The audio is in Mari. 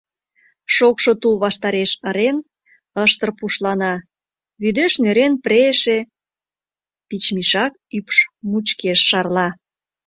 Шокшо тул ваштареш ырен, ыштыр пушлана, вӱдеш нӧрен прейыше пичмишак ӱпш мучкеш шарла.